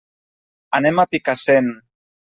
Anem a Picassent.